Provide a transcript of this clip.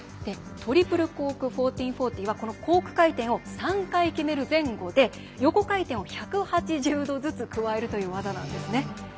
トリプルコーク１４４０はこのコーク回転を３回決める前後で横回転を１８０度ずつ加えるという技なんですね。